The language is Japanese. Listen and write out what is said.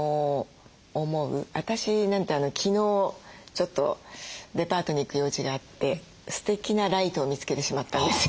私なんて昨日ちょっとデパートに行く用事があってすてきなライトを見つけてしまったんですよ。